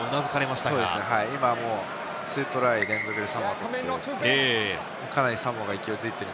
今、２トライ連続でサモアがとって、かなりサモアが勢いづいている。